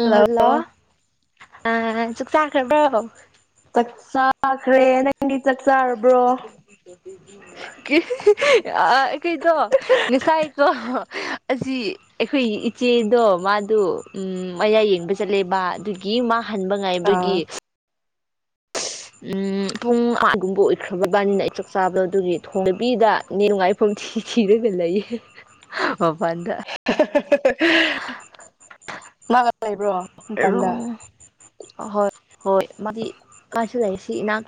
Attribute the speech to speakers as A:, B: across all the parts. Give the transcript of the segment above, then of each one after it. A: ꯎꯝ hello ꯑ ꯆꯥꯛ ꯆꯥꯈ꯭ꯔꯕꯣ
B: ꯆꯥꯛ ꯆꯥꯈ꯭ꯔꯦ ꯅꯪꯗꯤ ꯆꯥꯛꯆꯥꯥ
A: [unintelligible] ꯑꯥ ꯑꯩꯈꯣꯏꯗꯣ ꯉꯁꯥꯏ ꯗꯣ ꯑꯁꯤ ꯑꯩꯈꯣꯏ ꯏꯆꯦꯗꯣ ꯃꯥꯗꯨ ꯎꯝ ꯃꯌꯥ ꯌꯦꯡꯕ ꯆꯠꯂꯦꯕ ꯑꯗꯨ ꯒꯤ ꯃꯥꯥꯍꯟꯕ ꯉꯥꯏꯕꯒꯤ
B: ꯑꯥ
A: ꯎꯝ ꯄꯨꯡ ꯑꯃꯥꯒꯨꯝꯕ ꯑꯣꯏꯈ꯭ꯔꯕꯕꯥꯅꯤꯅ ꯑꯩ ꯆꯥꯛ ꯆꯥꯕꯗꯣ ꯑꯗꯨꯒꯤ ꯊꯣꯡꯗꯕꯤꯗ ꯅꯦ ꯉꯥꯏ ꯄꯨꯡꯊꯤ ꯊꯤꯔꯒ ꯂꯩꯌꯦ ꯃꯄꯥꯟꯗ
B: [unintelligible] ꯃꯥꯒ ꯂꯩꯕ꯭ꯔꯣ
A: ꯔꯣ
B: ꯃꯄꯥꯟꯗ
A: ꯑ ꯍꯣꯏ ꯍꯣꯏ ꯃꯥꯗꯤ ꯃꯥꯁꯨ ꯂꯩ ꯁꯤ ꯏꯅꯥꯛ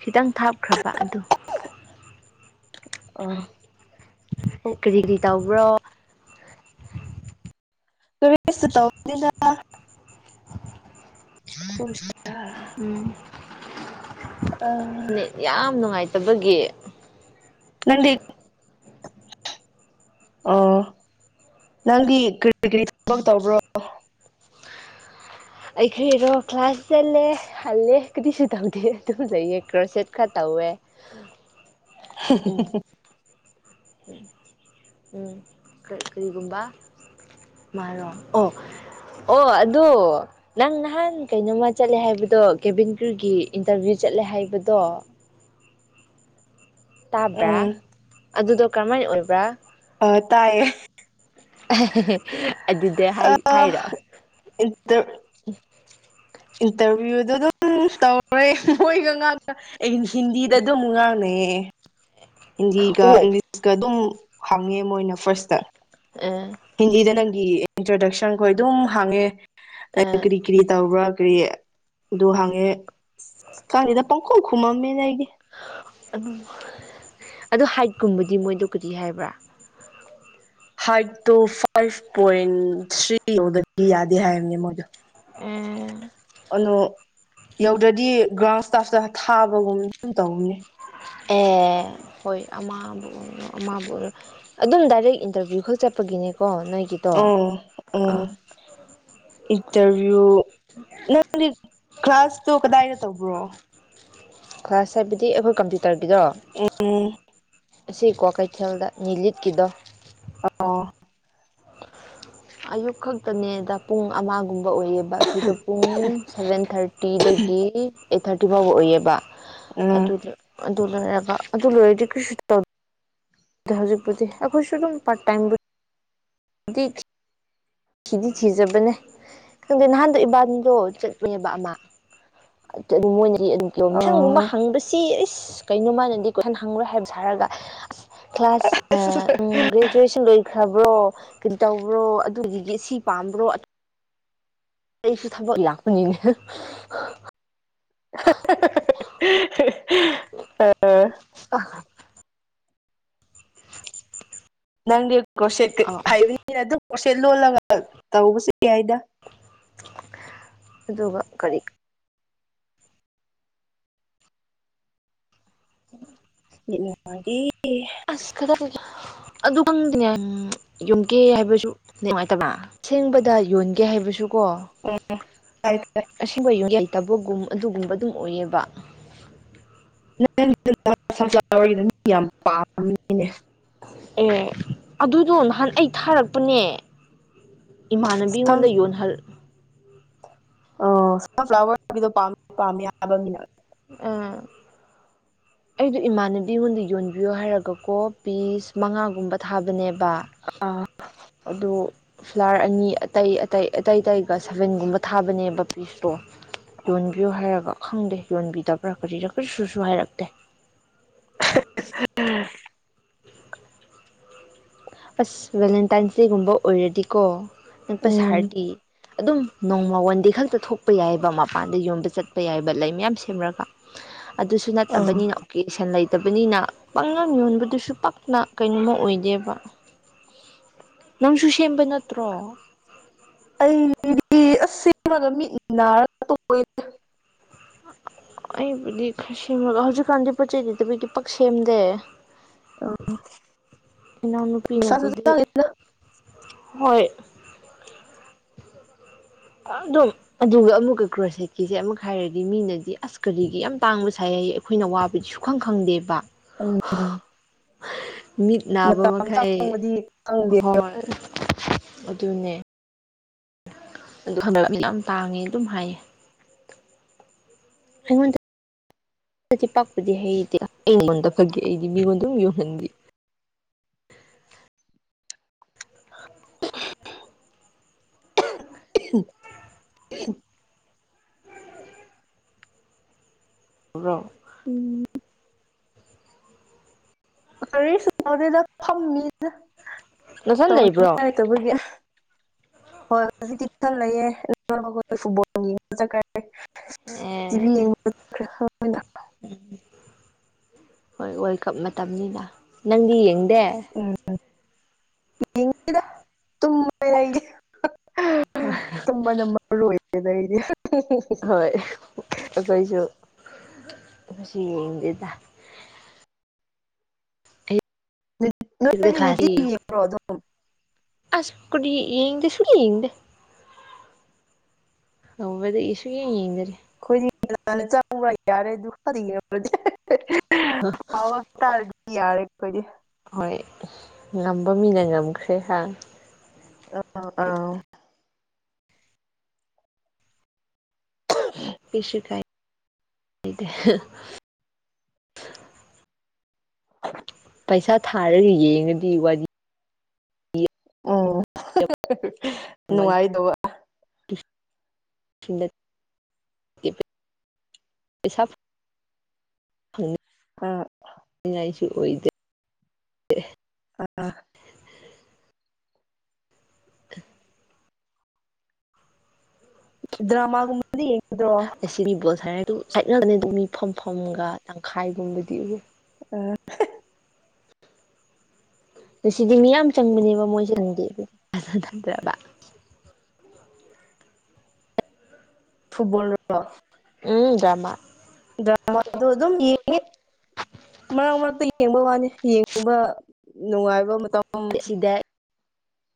A: ꯈꯤꯇꯪ ꯊꯥꯞꯈ꯭ꯔꯕ ꯑꯗꯨ
B: ꯑꯣ
A: ꯀꯔꯤꯒꯤ ꯇꯧꯕ꯭ꯔꯣ
B: ꯀꯔꯤꯁꯨ ꯇꯧꯗꯦꯗ [unintelligible]
A: ꯎꯝ
B: ꯑ
A: ꯅꯦꯠ ꯌꯥꯝ ꯅꯨꯡꯉꯥꯏꯇꯕꯒꯤ
B: ꯅꯪꯗꯤ ꯑꯣ ꯅꯪꯗꯤ ꯀꯔꯤ ꯀꯔꯤ ꯊꯕꯛ ꯇꯧꯕ꯭ꯔꯣ
A: ꯑꯩꯈꯣꯏꯔꯣ ꯀ꯭ꯂꯥꯁ ꯆꯠꯂꯦ ꯍꯜꯂꯦ ꯀꯔꯤꯁꯨ ꯇꯧꯗꯦ ꯑꯗꯨꯝ ꯂꯩꯌꯦ ꯀ꯭ꯔꯣꯁꯦꯠ ꯈꯔ ꯇꯧꯋꯦ
B: [unintelligible]
A: ꯎꯝ ꯎꯝ ꯀꯔꯤ ꯀꯔꯤꯒꯨꯝꯕ ꯃꯥꯔꯣ ꯑꯣ ꯑꯣ ꯑꯗꯨ ꯅꯪ ꯅꯍꯥꯟ ꯀꯩꯅꯣꯝꯃ ꯆꯠꯂꯦ ꯍꯥꯏꯕꯗꯣ ꯀꯦꯕꯤꯟ ꯀ꯭ꯔꯤꯎꯒꯤ ꯏꯟꯇꯔꯚꯤꯌꯨ ꯆꯠꯂꯦ ꯍꯥꯏꯕꯗꯣ ꯇꯥꯕ꯭ꯔꯥ
B: ꯎꯝ
A: ꯑꯗꯨꯗꯣ ꯀꯔꯝꯍꯥꯏꯅ ꯑꯣꯏꯕ꯭ꯔꯥ
B: ꯑ ꯇꯥꯏꯌꯦ
A: [unintelligible] ꯑꯗꯨꯗꯤ ꯍꯥꯏ
B: ꯑꯥ
A: ꯍꯥꯏꯔꯣ
B: [unintelligible] ꯏꯟꯇꯔꯚꯤꯌꯨꯗꯣ ꯑꯗꯨꯝ ꯇꯧꯔꯦ ꯃꯣꯏꯒ ꯉꯥꯡꯅ ꯑꯩ ꯍꯤꯟꯗꯤꯗ ꯑꯗꯨꯝ ꯉꯥꯡꯅꯩꯌꯦ ꯍꯤꯟꯗꯤꯒ
A: ꯑꯣ
B: ꯏꯪꯂꯤꯁꯀ ꯑꯗꯨꯝ ꯍꯪꯉꯦ ꯃꯣꯏꯅ ꯐꯥꯔꯁꯇ
A: ꯑꯦ
B: ꯍꯤꯟꯗꯤꯗ ꯅꯪꯒꯤ ꯏꯟꯇ꯭ꯔꯗꯛꯁꯟꯈꯣꯏ ꯑꯗꯨꯝ ꯍꯥꯡꯉꯦ
A: ꯑ
B: [unintelligible] ꯀꯔꯤ ꯀꯔꯤ ꯇꯧꯕ꯭ꯔꯥ ꯀꯔꯤ ꯑꯗꯨ ꯍꯥꯡꯉꯦ ꯈꯪꯗꯦꯗ ꯄꯪꯈꯨꯝ ꯈꯨꯝꯃꯝꯃꯦꯅ ꯑꯩꯗꯤ
A: [unintelligible] ꯑꯗꯣ ꯍꯥꯏꯠꯀꯨꯝꯕꯗꯤ ꯃꯣꯏꯗꯣ ꯀꯔꯤ ꯍꯥꯏꯕ꯭ꯔꯥ
B: ꯍꯥꯏꯠꯇꯣ ꯐꯥꯏꯚ ꯄꯣꯏꯟ ꯊ꯭ꯔꯤ ꯌꯧꯗꯗꯤ ꯌꯥꯗꯦ ꯍꯥꯏꯕꯅꯦ ꯃꯣꯏꯗꯣ ꯑꯅꯣ ꯌꯧꯗ꯭ꯔꯗꯤ ꯒ꯭ꯔꯥꯎꯟ ꯏꯁꯇꯥꯐꯇ ꯊꯥꯕꯒꯨꯝꯕ ꯑꯗꯨꯝ ꯇꯧꯅꯦ
A: ꯑꯦ ꯍꯣꯏ ꯑꯃꯥꯕꯨ ꯑꯣ ꯑꯃꯕꯨ ꯑꯣꯏꯔꯣ ꯑꯗꯨꯝ ꯗꯥꯏꯔꯦꯛ ꯏꯟꯇꯔꯚꯤꯌꯨ ꯈꯛ ꯆꯠꯄꯒꯤꯅꯦꯀꯣ ꯅꯣꯏꯒꯤ
B: ꯎꯡ ꯎꯡ ꯏꯟꯇꯔꯚ꯭ꯌꯨ ꯅꯪꯗꯤ ꯀ꯭ꯂꯥꯁꯇꯨ ꯀꯗꯥꯏꯗ ꯇꯧꯕ꯭ꯔꯣ
A: ꯀꯂꯥ꯭ꯁ ꯍꯥꯏꯕꯗꯤ ꯑꯩꯈꯣꯏ ꯀꯝꯄ꯭ꯌꯨꯇꯔꯒꯤꯗꯣ
B: ꯎꯝ
A: ꯑꯁꯤ ꯀ꯭ꯋꯥꯛꯀꯩꯊꯦꯜꯗ ꯅꯤꯂꯤꯠꯀꯤꯗꯣ
B: ꯑꯣ
A: ꯑꯌꯨꯛ ꯈꯛꯇꯅꯦꯗ ꯄꯨꯡ ꯑꯃꯒꯨꯝꯕ ꯑꯣꯏꯌꯦꯕ ꯑꯩꯈꯣꯏꯗꯣ ꯄꯨꯡ ꯁꯚꯦꯟ ꯊꯥꯔꯇꯤꯗꯒꯤ ꯑꯩꯠ ꯊꯥꯔꯇꯤ ꯐꯥꯎꯕ ꯑꯣꯏꯌꯦꯕ
B: ꯎꯝ
A: ꯑꯗꯨꯗ ꯑꯗꯨ ꯂꯣꯏꯔꯒ ꯑꯗꯨ ꯂꯣꯏꯔꯗꯤ ꯀꯩꯁꯨ ꯇꯧ ꯍꯧꯖꯤꯛꯄꯨꯗꯤ ꯑꯩꯈꯣꯏꯁꯨ ꯑꯗꯨꯝ ꯄꯥꯔꯠ ꯇꯥꯏꯝ ꯗꯤꯁ ꯊꯤꯗꯤ ꯊꯤꯖꯕꯅꯦ ꯈꯪꯗꯦ ꯅꯍꯥꯟꯗꯣ ꯏꯕꯥꯟꯗꯣ ꯆꯠꯄꯥꯅꯦꯕꯥ ꯑꯃ ꯑꯗꯨꯝ ꯃꯣꯏꯅꯗꯤ ꯑꯗꯨꯝ ꯀꯣꯏꯁꯥꯟꯒꯨꯝꯕ
B: ꯑꯣ
A: ꯍꯪꯕꯁꯤ ꯑꯩꯁ ꯀꯩꯅꯣ ꯃꯥꯥꯟꯅꯗꯤ ꯀꯣꯏꯁꯟ ꯍꯪꯉꯥꯔꯣꯏ ꯍꯥꯏꯕ ꯁꯥꯔꯒꯥ ꯑꯁ ꯀ꯭ꯂꯥꯁ ꯑꯥ ꯎꯝ ꯒ꯭ꯔꯦꯖꯨꯋꯦꯁꯟ ꯂꯣꯏ ꯈꯔꯕꯣ ꯀꯩꯗꯧꯕꯔꯣ ꯑꯗꯨꯒꯤꯗꯤ ꯁꯤ ꯄꯥꯝꯕ꯭ꯔꯣ ꯑꯩꯁꯨ ꯊꯕꯛ ꯂꯥꯛꯄꯅꯤꯅꯦ [unintelligible] [unintelligible]
B: ꯅꯪꯗꯤ ꯀꯣꯔꯁꯦꯠ ꯍꯩꯕꯅꯤꯅ ꯑꯗꯨꯝ ꯀ꯭ꯔꯣꯁꯦꯠ ꯂꯣꯜꯂꯒ ꯇꯧꯕꯁꯨ ꯌꯥꯏꯗ
A: ꯑꯗꯨꯒ ꯀꯔꯤ [unintelligible]
B: [unintelligible]
A: ꯑꯁ ꯈꯛꯇ ꯑꯗꯨ ꯈꯪꯗꯦꯅꯦ ꯌꯨꯝꯒꯦ ꯍꯥꯏꯕꯁꯨ ꯅꯨꯡꯉꯥꯏꯇꯕ꯭ꯔ ꯁꯦꯡꯕꯗ ꯌꯣꯟꯒꯦ ꯍꯥꯏꯕꯁꯨ ꯀꯣ
B: ꯎꯝ ꯇꯥꯏ ꯇꯥꯏ
A: ꯑꯁꯦꯡꯕ ꯌꯦꯟꯂꯩꯇꯕꯥꯒꯨꯝ ꯑꯗꯨꯒꯨꯝꯕ ꯑꯗꯨꯝ ꯑꯣꯏꯌꯦꯕ
B: ꯅꯪꯅ ꯁꯦꯝꯕꯥ ꯁꯟꯐ꯭ꯂꯥꯋꯔꯒꯤꯗꯣ ꯃꯤꯅ ꯌꯥꯝ ꯄꯥꯝꯕꯅꯤꯅꯦ
A: ꯑꯦ ꯑꯗꯨꯗꯣ ꯅꯍꯥꯟ ꯑꯩ ꯊꯥꯔꯛꯄꯅꯦ
B: ꯁꯟ
A: ꯏꯃꯥꯟꯅꯕꯤꯉꯣꯟꯗ ꯌꯣꯟꯍꯜ
B: ꯑꯣ ꯁꯟꯐ꯭ꯂꯥꯋꯔꯒꯤꯗꯣ ꯄꯥꯝ ꯄꯥꯝꯃꯦ ꯍꯥꯏꯕ ꯃꯤꯅ
A: ꯑꯥ ꯑꯩꯗꯣ ꯏꯃꯥꯟꯅꯕꯤ ꯉꯣꯟꯗ ꯌꯣꯟꯕꯤꯌꯣ ꯍꯥꯏꯔꯒꯀꯣ ꯄꯤꯁ ꯃꯉꯥꯒꯨꯝꯕ ꯊꯥꯕꯅꯦꯕ
B: ꯑꯥ
A: ꯑꯗꯨ ꯐ꯭ꯂꯥꯔ ꯑꯅꯤ ꯑꯇꯩ ꯑꯇꯩ ꯑꯇꯩ ꯑꯇꯩꯒ ꯁꯚꯦꯟꯒꯨꯝꯕ ꯊꯥꯕꯅꯦꯕ ꯄꯤꯁꯇꯣ ꯌꯣꯟꯕꯤꯌꯣ ꯍꯥꯏꯔꯒ ꯈꯪꯗꯦ ꯌꯣꯟꯕꯤꯗꯕ꯭ꯔꯥ ꯀꯔꯤꯔꯥ ꯀꯔꯤꯁꯨꯁꯨ ꯍꯥꯏꯔꯛꯇꯦ
B: [unintelligible]
A: [inaudible] ꯑꯁ ꯕꯦꯂꯦꯟꯇꯥꯏꯟꯁ ꯗꯦꯒꯨꯝꯕ ꯑꯣꯏꯔꯗꯤꯀꯣ ꯅꯛꯄ
B: ꯎꯝ
A: ꯁꯥꯔꯗꯤ ꯑꯗꯨꯝ ꯅꯣꯡꯃ ꯋꯥꯟꯗꯦ ꯈꯛꯇ ꯊꯣꯛꯄ ꯌꯥꯏꯕ ꯃꯄꯥꯟꯗ ꯌꯣꯟꯕ ꯆꯠꯄ ꯌꯥꯏꯕ ꯂꯩ ꯃꯌꯥꯝ ꯁꯦꯝꯔꯒ ꯑꯗꯨꯁꯨ
B: ꯑꯥ
A: ꯅꯠꯇꯕꯅꯤꯅ ꯀꯦꯁꯟ ꯂꯩꯇꯕꯅꯤꯅ ꯄꯥꯛꯌꯣꯟ ꯌꯣꯟꯕꯗꯨꯁꯨ ꯄꯛꯅ ꯀꯩꯅꯣꯝꯃ ꯑꯣꯏꯗꯦꯕ ꯅꯪꯁꯨ ꯁꯦꯝꯕ ꯅꯠꯇ꯭ꯔꯣ
B: ꯑꯩꯗꯤ ꯑꯁ ꯁꯦꯝꯃꯒ ꯃꯤꯠ ꯅꯥꯔꯒ ꯇꯣꯛꯏꯗ
A: ꯑꯩꯕꯨꯗꯤ ꯈꯔ ꯁꯦꯝꯃꯒ ꯍꯧꯖꯤꯛꯀꯥꯟꯗꯤ ꯄꯣꯠ ꯆꯩ ꯂꯩꯇꯕꯒꯤ ꯄꯛ ꯁꯦꯝꯗꯦ ꯏꯅꯥꯎ
B: ꯄꯩꯁꯥꯁꯨ
A: ꯅꯨꯄꯤꯅꯕꯨꯗꯤ
B: ꯆꯪꯉꯦꯗ
A: ꯍꯣꯏ ꯑꯗꯨꯝ ꯑꯗꯨꯒ ꯑꯃꯨꯛꯀ ꯀ꯭ꯔꯣꯁꯦꯠꯀꯤꯁꯦ ꯑꯃꯨꯛ ꯍꯥꯏꯔꯗꯤ ꯃꯤꯅꯗꯤ ꯑꯁ ꯀꯔꯤꯒꯤ ꯌꯥꯝ ꯇꯥꯡꯕ ꯁꯥꯏ ꯍꯥꯏꯌꯦ ꯑꯩꯈꯣꯏꯅ ꯋꯥꯕꯗꯤ ꯁꯨꯈꯪ ꯈꯪꯗꯦꯕ
B: ꯎꯝ
A: ꯃꯤꯠ ꯅꯥꯕ
B: ꯃꯇꯝ
A: ꯃꯈꯩ
B: ꯆꯪꯕꯗꯤ ꯈꯪꯗꯦ
A: ꯍꯣꯏ ꯑꯗꯨꯅꯦ ꯑꯗꯨ ꯍꯟꯗꯛ ꯃꯤ ꯌꯥꯝ ꯇꯥꯡꯉꯦ ꯑꯗꯨꯝ ꯍꯥꯏꯌꯦ ꯑꯩꯉꯣꯟꯗꯄꯗꯤ ꯍꯩꯇꯦ ꯑꯩꯉꯣꯟꯗ ꯐꯒ ꯑꯩꯗꯤ ꯃꯤꯉꯣꯟꯗ ꯑꯗꯨꯝ ꯌꯣꯟꯍꯟꯒꯤ
B: [unintelligible]
A: [unintelligible]
B: ꯎꯝ ꯀꯔꯤꯁꯨ ꯇꯧꯗꯦꯗ ꯐꯝꯃꯤꯗ
A: ꯅꯊꯟ ꯂꯩꯕ꯭ꯔꯣ
B: ꯇꯕꯒꯤ ꯍꯣꯏ ꯍꯨꯖꯤꯛꯇꯤ ꯏꯊꯟ ꯂꯩꯌꯦ [unintelligible] ꯐꯨꯠꯕꯣꯜ ꯌꯦꯡ [unintelligible] ꯇꯤꯚꯤ
A: ꯑꯦ
B: ꯌꯦꯡꯕ [unintelligible]
A: [inaudible] ꯍꯣꯏ ꯋꯥꯔꯜ ꯀꯞ ꯃꯇꯝꯅꯤꯅ ꯅꯪꯗꯤ ꯌꯦꯡꯗꯦ
B: ꯎꯝ ꯌꯦꯡꯗꯦꯗ ꯇꯨꯝꯃꯒ ꯂꯩꯒꯦ
A: [unintelligible]
B: ꯇꯨꯝꯕꯅ ꯃꯥꯔꯨ ꯑꯣꯏꯕꯅꯤꯗ ꯑꯩꯗꯤ
A: ꯍꯣꯏ ꯑꯩꯈꯣꯏꯁꯨ ꯉꯁꯤ ꯌꯦꯡꯗꯦꯗ
B: [unintelligible] ꯅꯨꯡꯇꯤꯒꯤ ꯌꯦꯡꯕ꯭ꯔꯣ ꯑꯗꯨꯝ
A: [unintelligible] ꯑꯁ ꯈꯨꯗꯤ ꯌꯦ ꯌꯦꯡꯗꯦ ꯁꯨꯡꯌꯦꯡ ꯌꯦꯡꯗꯦ ꯇꯧꯕꯗꯩ ꯑꯩ ꯁꯨꯌꯦꯡ ꯌꯦꯡꯗꯥꯔꯤ
B: ꯑꯩꯈꯣꯏꯗꯤ ꯅꯍꯥꯟꯅ ꯆꯪꯕ ꯌꯥꯔꯦ [unintelligible] [unintelligible] ꯇꯥꯔꯗꯤ ꯌꯥꯔꯦ ꯑꯈꯣꯏꯗꯤ
A: ꯍꯣꯏ ꯉꯝꯕ ꯃꯤꯅ ꯉꯝꯈ꯭ꯔꯦ ꯍꯥ
B: [unintelligible] ꯑꯥꯎ [inaudible]
A: ꯀ꯭ꯔꯤꯁꯨ ꯀꯥꯏ [unintelligible] ꯄꯩꯁꯥ ꯊꯥꯔꯒ ꯌꯦꯡꯉꯗꯤ ꯋꯥꯔꯤ
B: ꯎꯝ ꯅꯨꯡꯉꯥꯏꯗꯧꯕ
A: [unintelligible] ꯄꯩꯁꯥ ꯐꯪꯅ
B: ꯑꯥ
A: ꯅꯤꯡꯉꯥꯏꯁꯨ ꯑꯣꯏꯗꯦ [unintelligible]
B: ꯑꯥ ꯑꯥ
A: [inaudible]
B: ꯗ꯭ꯔꯥꯃ ꯒꯨꯝꯕꯗꯤ ꯌꯦꯡꯗ꯭ꯔꯣ
A: ꯑꯁꯤ ꯃꯤ ꯕꯣꯜ ꯁꯔꯗꯨ ꯆꯠꯅꯕꯅꯦ ꯑꯗꯨꯝ ꯃꯤ ꯐꯝꯐꯝꯒ ꯇꯪꯈꯥꯏꯒꯨꯝꯕꯗꯤ
B: ꯑꯣ
A: ꯑꯁꯤꯗꯤ ꯃꯤ ꯌꯥꯝ ꯆꯟꯕꯅꯦꯕ ꯃꯣꯏ [unintelligible]
B: ꯐꯨꯠꯕꯣꯜꯔꯣ
A: ꯎꯝ ꯗ꯭ꯔꯥꯃꯥ
B: ꯗ꯭ꯔꯥꯃꯗꯣ ꯑꯗꯨꯝ ꯌꯦꯡꯉꯦ ꯃꯔꯛ ꯃꯔꯛꯇꯥ ꯌꯦꯡꯕ ꯋꯥꯅꯤ ꯌꯦꯡꯕ ꯅꯨꯡꯉꯥꯏꯕ ꯃꯇꯝ
A: ꯑꯁꯤꯗ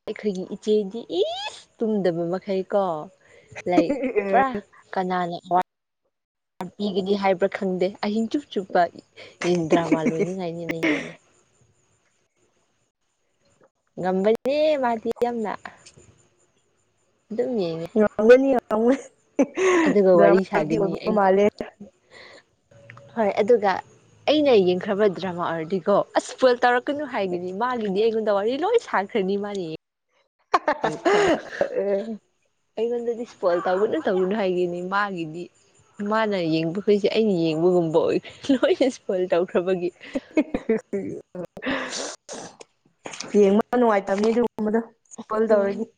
A: ꯑꯩꯈꯣꯏꯒꯤ ꯏꯆꯦꯗꯤ ꯏꯁ ꯇꯨꯝꯗꯕ ꯃꯈꯩ ꯀꯣ ꯂꯩ ꯄ꯭ꯔꯥ ꯀꯅꯥꯅ ꯋꯥ ꯄꯤꯒꯅꯤ ꯍꯥꯏꯕ꯭ꯔꯥ ꯈꯪꯗꯦ ꯑꯍꯤꯡ ꯆꯨꯞ ꯆꯨꯞꯄ ꯌꯦꯡ ꯗ꯭ꯔꯥꯃ ꯂꯣꯏꯅꯤꯡꯉꯥꯏꯅꯤꯅ ꯌꯦꯡꯉꯦ ꯉꯝꯕꯅꯦ ꯃꯥꯗꯤ ꯌꯥꯝꯅ ꯑꯗꯨꯝ ꯌꯦꯡꯉꯦ
B: [unintelligible]
A: ꯑꯗꯨꯒ
B: ꯗ꯭ꯔꯥꯃ
A: ꯋꯥꯔꯤ
B: ꯑꯦꯗꯤꯛ
A: ꯁꯥꯒꯅꯤ
B: ꯑꯣꯏꯕ ꯃꯥꯂꯦ
A: ꯍꯣꯏ ꯑꯗꯨꯒ ꯑꯩꯅ ꯌꯦꯡꯈ꯭ꯔꯥꯕ ꯗ꯭ꯔꯃꯥ ꯑꯣꯏꯔꯗꯤꯀꯣ ꯑꯁ ꯐꯣꯜ ꯇꯧꯔꯛ ꯀꯩꯅꯣ ꯍꯥꯏꯒꯅꯤ ꯃꯥꯂꯤꯅꯦ ꯑꯩꯉꯣꯟꯗ ꯋꯥꯔꯤ ꯂꯣꯏ ꯁꯥꯈ꯭ꯔꯅꯤ ꯃꯥꯅꯦ ꯉꯈ꯭ꯔꯕ ꯑꯩꯉꯣꯟꯗꯗꯤ ꯏꯁꯄꯣꯏꯂ ꯇꯧꯒꯅ ꯇꯧꯒꯅꯨ ꯍꯥꯏꯒꯅꯤ ꯃꯥꯒꯤꯗꯤ ꯃꯥꯅ ꯌꯦꯡꯕꯈꯣꯏꯁꯦ ꯑꯩꯅ ꯌꯦꯡꯕꯒꯨꯝꯕ ꯑꯣꯏꯈ꯭ꯔꯦ ꯂꯣꯏꯅ ꯏꯁꯐꯄꯣꯏꯜ ꯇꯧꯈ꯭ꯔꯕꯒꯤ
B: [unintelligible] ꯌꯦꯡꯕ ꯅꯨꯡꯉꯥꯏꯇꯕꯅꯤ ꯑꯗꯨꯒꯨꯝꯕꯗ
A: ꯑꯝ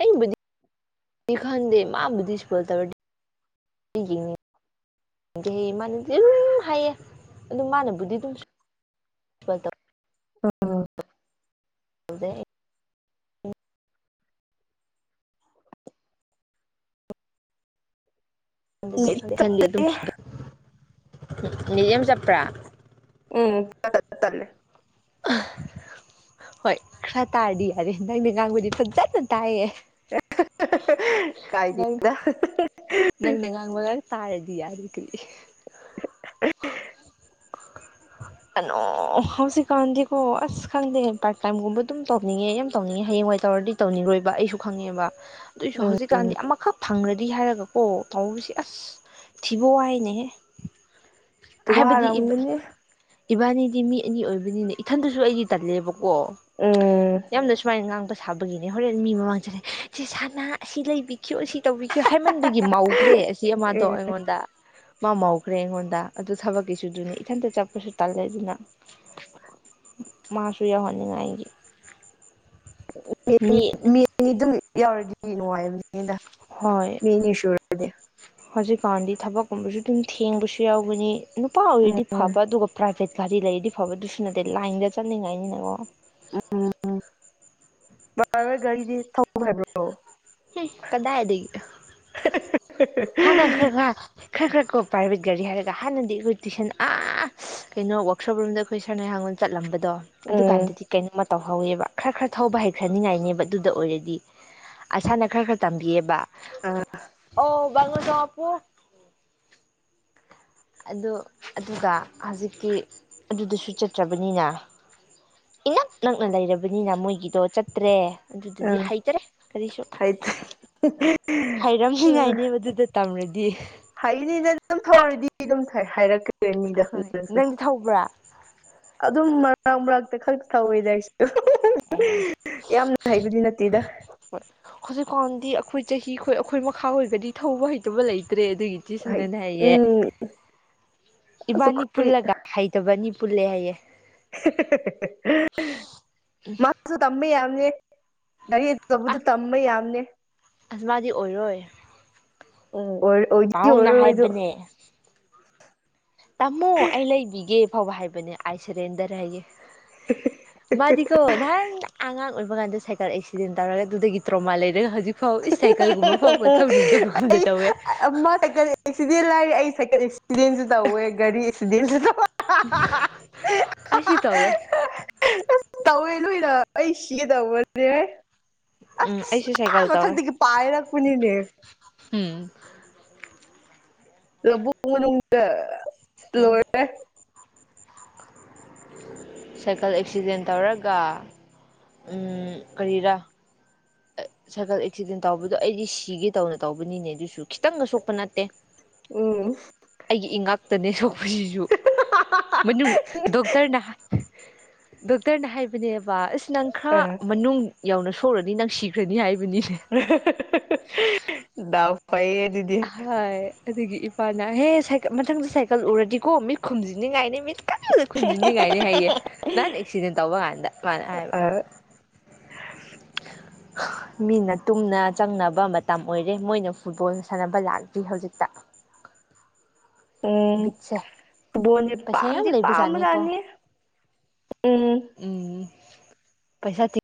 A: ꯑꯩꯕꯨꯗꯤꯗꯤ ꯈꯟꯗꯦ ꯃꯥꯕꯨꯗꯤ ꯏꯁꯄꯣꯏꯜ ꯇꯧꯔꯗꯤ ꯑꯩ ꯌꯦꯡ ꯂꯤꯃꯜꯂꯤ ꯍꯥꯏꯌꯦ ꯑꯗꯨ ꯃꯥꯅꯕꯨꯗꯤ ꯑꯗꯨꯝ ꯁꯨꯄꯜ
B: [unintelligible]
A: ꯇꯧꯗꯦ ꯑꯩ
B: ꯅꯦꯠ
A: ꯈꯟꯗꯦ
B: ꯆꯞꯄꯦ
A: ꯑꯗꯨꯝ ꯅꯦꯠ ꯌꯥꯝ ꯆꯠꯄ꯭ꯔꯥ
B: ꯑꯝ ꯇꯜꯂꯦ
A: ꯍꯣꯏ ꯈꯔ ꯇꯥꯔꯗꯤ ꯌꯥꯔꯦ ꯅꯪꯩꯅ ꯉꯥꯡꯕꯗꯤ ꯐꯥꯖꯅ ꯇꯥꯏꯌꯦ
B: ꯀꯥꯏꯗꯦꯗ
A: ꯅꯪꯅꯦ ꯉꯥꯡꯕ ꯒꯛ ꯇꯥꯔꯗꯤ ꯌꯥꯔꯦ ꯀꯩ [unintelligible] ꯑꯅꯣ ꯍꯧꯖꯤꯛꯀꯥꯟꯗꯤꯀꯣ ꯑꯁ ꯈꯪꯗꯦ ꯄꯥꯔꯠꯇ ꯇꯥꯏꯝꯒꯨꯝꯕ ꯑꯗꯨꯝ ꯇꯧꯅꯤꯡꯉꯦ ꯌꯥꯝ ꯇꯧꯅꯤꯡꯉꯦ ꯍꯥꯌꯦꯡꯋꯥꯏ ꯇꯧꯔꯗꯤ ꯇꯧꯅꯤꯡꯔꯣꯏꯕ ꯑꯩꯁꯨ ꯈꯪꯉꯦꯕ ꯑꯗꯨꯑꯣꯏꯁꯨ
B: ꯎꯝ
A: ꯍꯧꯖꯤꯛꯀꯥꯟꯗꯤ ꯑꯃꯥꯈꯛ ꯐꯪꯉ꯭ꯔꯗꯤ ꯍꯥꯏꯔꯒꯀꯣ ꯇꯧꯕꯁꯤ ꯑꯁ ꯊꯤꯕ ꯍꯥꯏꯅꯦꯍꯦ
B: ꯨ ꯋꯥꯔꯝꯒꯅꯤ
A: ꯏꯕꯥꯟꯅꯤꯗꯤ ꯃꯤ ꯑꯅꯤ ꯑꯣꯏꯕꯅꯤꯅ ꯏꯊꯟꯗꯁꯨ ꯑꯩꯗꯤ ꯇꯜꯂꯦꯕꯀꯣ
B: ꯑꯝ
A: ꯌꯥꯝꯅ ꯁꯨꯃꯥꯏꯟꯅ ꯉꯥꯡꯕ ꯁꯥꯕꯒꯤꯅꯦ ꯍꯣꯔꯦꯟ ꯃꯤ ꯃꯃꯥꯡ ꯆꯠꯂ ꯆꯦ ꯁꯟꯅ ꯑꯁꯤ ꯂꯩꯕꯤ ꯁꯤ ꯇꯧꯕꯤꯈꯤꯕꯣ ꯍꯥꯏꯃꯟꯕꯒꯤ ꯃꯧꯈ꯭ꯔꯦ ꯑꯁꯤ ꯑꯃꯗꯣ ꯑꯩꯉꯣꯟꯗ ꯃꯥ ꯃꯧꯈ꯭ꯔꯦ ꯑꯩꯉꯣꯟꯗ ꯑꯗꯨ ꯊꯥꯕꯛꯀꯤꯁꯨ ꯀꯤꯗꯨꯅꯤ ꯏꯊꯟꯇ ꯆꯠꯄꯁꯨ ꯇꯜꯂꯦ ꯑꯗꯨꯅ ꯃꯥꯁꯨ ꯌꯥꯎꯍꯟꯅꯤꯡꯉꯥꯏꯒꯤ ꯃꯤ
B: ꯅꯤ ꯑꯗꯨꯝ ꯌꯥꯎꯔꯗꯤ ꯅꯨꯡꯉꯥꯏꯕ ꯗ
A: ꯍꯣꯏ
B: ꯃꯤ ꯑꯅꯤ ꯁꯨꯔꯗꯤ
A: ꯍꯧꯖꯤꯛꯀꯥꯟꯗꯤ ꯊꯥꯕꯛꯀꯨꯝꯕꯁꯨ ꯑꯗꯨꯝ ꯊꯦꯡꯕꯁꯨ ꯌꯥꯎꯒꯅꯤ ꯅꯨꯄꯥ ꯑꯣꯏꯔꯗꯤ
B: ꯎꯝ
A: ꯐꯕ ꯑꯗꯨꯒ ꯄ꯭ꯔꯥꯏꯚꯦꯠ ꯒꯥꯔꯤ ꯂꯩꯔꯗꯤ ꯐꯕ ꯑꯗꯨꯁꯨ ꯅꯠꯇꯦ ꯂꯥꯏꯟꯗ ꯆꯠꯅꯤꯡ ꯉꯥꯏꯅꯤꯅꯀꯣ
B: ꯎꯝ [unintelligible] ꯒꯥꯔꯤꯗꯤ ꯊꯧꯕ ꯍꯩꯕ꯭ꯔꯣ
A: ꯍꯩ ꯀꯗꯥꯏꯗꯒꯤ ꯍꯥꯟꯅ ꯈꯔ
B: [unintelligible]
A: ꯈꯔ ꯈꯔ ꯈꯔ ꯀꯣ ꯄ꯭ꯔꯥꯏꯚꯦꯠ ꯒꯥꯔꯤ ꯍꯥꯏꯔꯒ ꯍꯥꯟꯅꯗꯤ ꯑꯩꯈꯣꯏ ꯇꯨꯏꯁꯟ ꯑꯥ ꯀꯩꯅꯣ ꯋꯥꯛꯁꯣꯞ ꯔꯨꯝꯝꯗ ꯑꯩꯈꯣꯏ ꯁꯔꯅꯩꯍꯥꯡꯂꯣꯝ ꯆꯠꯂꯝꯕꯗꯣ
B: ꯎꯝ
A: ꯑꯗꯨꯀꯥꯟꯗꯗꯤ ꯀꯩꯅꯣꯝꯃ ꯇꯧꯍꯧꯋꯦꯕ ꯈꯔ ꯈꯔ ꯊꯧꯕ ꯍꯩꯈ꯭ꯔꯅꯤꯡꯉꯥꯏꯅꯦꯕ ꯑꯗꯨꯗ ꯑꯣꯏꯔꯗꯤ ꯁꯔꯅ ꯈꯔ ꯈꯔ ꯇꯝꯕꯤꯌꯦꯕ
B: ꯑ
A: ꯑꯣ [unintelligible] ꯑꯗꯣ ꯑꯗꯨꯒ ꯍꯧꯖꯤꯛꯇꯤ ꯑꯗꯨꯗꯁꯨ ꯆꯠꯇ꯭ꯔꯕꯅꯤꯅ ꯏꯅꯛ ꯅꯛꯅ ꯂꯩꯔꯕꯅꯤꯅ ꯃꯣꯏꯒꯤꯗꯣ ꯆꯠꯇ꯭ꯔꯦ ꯑꯗꯨꯗꯗꯤ
B: ꯑ
A: ꯍꯩꯇ꯭ꯔꯦ ꯀꯔꯤꯁꯨ
B: ꯍꯩꯇꯦ
A: ꯍꯩꯔꯝꯃꯤ ꯉꯥꯏꯅꯦ ꯑꯗꯨꯏꯗꯨ ꯇꯝꯔꯗꯤ
B: ꯍꯥꯏꯅꯤ ꯅꯪ ꯑꯗꯨꯝ ꯊꯧꯔꯗꯤ ꯑꯗꯨꯝ ꯍꯥꯏꯔꯛꯀꯅꯤꯗ
A: ꯍꯣꯏ
B: ꯅꯪꯁꯨ
A: ꯅꯪꯗꯤ ꯊꯧꯕ꯭ꯔꯥ
B: ꯑꯗꯨꯝ ꯃꯔꯛ ꯃꯔꯛꯇ ꯈꯛ ꯇꯧꯋꯤꯗ ꯑꯩꯁꯨ
A: ꯑꯦ
B: ꯌꯥꯝꯅ ꯍꯩꯕꯗꯤ ꯅꯠꯇꯦꯗ
A: ꯍꯣꯏ ꯍꯧꯖꯤꯛꯀꯥꯟꯗꯤ ꯑꯩꯈꯣꯏ ꯆꯍꯤ ꯈꯣꯏ ꯑꯩꯈꯣꯏ ꯃꯈꯥ ꯑꯣꯏꯕꯗꯤ ꯒꯥꯔꯤ ꯊꯧꯕ ꯍꯩꯇꯕ ꯂꯩꯇ꯭ꯔꯦ ꯑꯗꯨꯒꯤ
B: ꯍꯥꯏ
A: ꯏꯆꯦꯁꯅꯅꯦ ꯍꯥꯏꯌꯦ
B: ꯎꯝ ꯑꯁ
A: ꯏꯕꯥꯅꯤ
B: ꯑꯩꯈꯣꯏ
A: ꯄꯨꯜꯂꯒ ꯍꯩꯇꯕꯅꯤ ꯄꯨꯜꯂꯦ ꯍꯥꯏꯌꯦ
B: ꯃꯥ ꯁꯨ ꯇꯝꯕ ꯌꯥꯝꯅꯦ ꯒꯥꯔꯤ ꯑꯆ
A: ꯑꯥ
B: ꯆꯧꯕꯗ ꯇꯝꯕ ꯌꯥꯝꯅꯤ
A: ꯑꯣꯏꯔꯣꯏ
B: ꯑꯣ ꯑꯣꯏ
A: ꯄꯥꯎꯅ ꯍꯥꯏꯕꯅꯦ
B: ꯑꯣꯏꯔꯔꯣꯏꯗꯨ
A: ꯇꯥꯃꯣ ꯑꯩ ꯂꯩꯕꯤꯒꯦ ꯐꯥꯎꯕ ꯍꯥꯏꯕꯅꯦ ꯑꯥꯏꯁ ꯁꯤꯂꯤꯟꯗꯔ ꯍꯥꯏꯒꯦ ꯃꯥꯗꯤ ꯅꯍꯥꯟ ꯑꯉꯥꯡ ꯑꯣꯏꯕ ꯀꯥꯟꯗ ꯁꯥꯏꯀꯜ ꯑꯦꯛꯁꯤꯗꯦꯟ ꯇꯧꯔꯒ ꯑꯗꯨꯗꯒꯤ ꯇꯔꯣꯃꯥ ꯂꯩꯔꯒ ꯍꯧꯖꯤꯛ ꯐꯧ ꯏ ꯁꯥꯏꯀꯜꯒꯨꯝꯕ ꯐꯥꯎꯕ ꯊꯧꯅꯤꯡꯗꯕꯒꯨꯝꯕꯗ
B: ꯑꯩ
A: ꯇꯧꯋꯦ
B: ꯑꯃ ꯁꯥꯏꯀꯜ ꯑꯦꯛꯁꯤꯗꯦꯟ ꯂꯥꯏꯔꯤ ꯑꯩ ꯁꯥꯏꯀꯜ ꯑꯦꯛꯁꯤꯗꯦꯟꯁꯨ ꯇꯧꯋꯦ ꯒꯥꯔꯤ ꯑꯦꯛꯁꯤꯗꯦꯟꯁꯨ ꯇꯧꯋꯦ
A: ꯑꯩꯁꯨ ꯇꯧꯋꯦ
B: ꯑꯁ ꯇꯧꯋꯦ ꯂꯣꯏꯅ ꯑꯩ ꯁꯤꯒꯤ ꯇꯧꯕꯅꯦ
A: ꯎꯝ ꯑꯩꯁꯦ ꯁꯥꯏꯀꯦꯜ ꯇ
B: ꯄꯥꯏꯔꯛꯄꯅꯤ
A: ꯎꯝ
B: ꯂꯧꯕꯨꯛ ꯃꯅꯨꯡꯗ
A: ꯎꯝ
B: ꯂꯣꯏꯔꯦ
A: ꯁꯥꯏꯀꯜ ꯑꯦꯛꯁꯤꯗꯦꯟ ꯇꯧꯔꯒ ꯀꯔꯤꯔ ꯁꯥꯏꯀꯜ ꯑꯦꯛꯁꯤꯗꯦꯟ ꯇꯧꯕꯗꯣ ꯑꯩꯗꯤ ꯁꯤꯒꯦ ꯇꯧꯅ ꯇꯧꯕꯅꯤꯅꯦ ꯑꯗꯨꯁꯨ ꯈꯤꯇꯪꯒ ꯁꯣꯛꯄ ꯅꯠꯇꯦ
B: ꯎꯝ
A: ꯑꯩꯒꯤ ꯏꯉꯥꯛꯇꯅꯦ ꯁꯣꯛꯄꯁꯤꯁꯨ ꯃꯅꯨꯡ ꯗꯣꯛꯇꯔꯅ ꯗꯣꯛꯇꯔꯅ ꯍꯥꯏꯕꯅꯦꯕ ꯑꯁ ꯅꯪ ꯈꯔ
B: ꯑꯥ
A: ꯃꯅꯨꯡ ꯌꯧꯅ ꯁꯣꯛꯂꯅꯤ ꯅꯪ ꯁꯤꯈ꯭ꯔꯅꯤ ꯍꯥꯏꯕꯅꯤꯅꯦ
B: ꯗꯎ ꯐꯥꯏꯌꯦ ꯑꯗꯨꯗꯤ
A: ꯍꯥꯏ ꯑꯗꯨꯒꯤ ꯏꯄꯥꯅꯍꯦ ꯃꯊꯪꯗ ꯁꯥꯏꯀꯜ ꯎꯔꯗꯤꯀꯣ ꯃꯤꯠ ꯈꯨꯝꯖꯤꯟꯅꯤꯡꯉꯥꯏꯅꯤ ꯃꯤꯠ ꯀꯟꯕꯗ ꯈꯨꯟꯖꯤꯟꯅꯤꯡꯉꯥꯏꯅꯤ ꯍꯥꯏꯌꯦ ꯅꯍꯟ ꯑꯦꯛꯁꯤꯗꯦꯟ ꯇꯧꯕ ꯀꯥꯟꯗ ꯃꯥꯅ ꯍꯥꯏꯕ
B: ꯑꯥ [unintelligible]
A: ꯃꯤꯅ ꯇꯨꯝꯅ ꯆꯪꯅꯕ ꯃꯇꯝ ꯑꯣꯏꯔꯦ ꯃꯣꯏꯅ ꯐꯨꯠꯕꯣꯜ ꯁꯥꯟꯅꯕ ꯂꯥꯛꯇ꯭ꯔꯤ ꯍꯧꯖꯤꯛꯇ
B: ꯎꯝ
A: ꯕꯤꯠꯁꯦ
B: ꯐꯕꯣꯟꯅꯦ
A: ꯄꯩꯁꯥ ꯌꯥꯝ
B: ꯄꯥꯝꯗꯤ ꯄꯥꯝꯕ
A: ꯂꯩꯕꯖꯥꯠꯅꯤꯀꯣ
B: ꯖꯥꯠꯅꯤ ꯎꯝ
A: ꯎꯝ ꯄꯩꯁꯥ